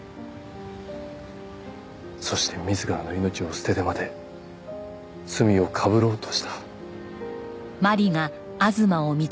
そして自らの命を捨ててまで罪をかぶろうとした。